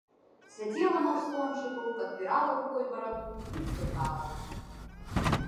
Сядзела на ўслончыку, падпірала рукой бараду і ўздыхала.